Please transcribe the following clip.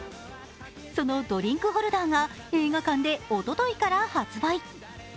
そのドリンクホルダーが映画館でおとといから発売。